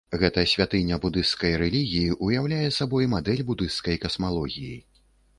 Гэта святыня будысцкай рэлігіі ўяўляе сабой мадэль будысцкай касмалогіі.